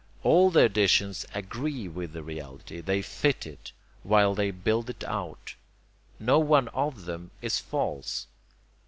All the additions 'agree' with the reality; they fit it, while they build it out. No one of them is false.